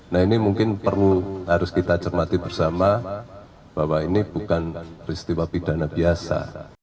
nah ini mungkin perlu harus kita cermati bersama bahwa ini bukan peristiwa pidana biasa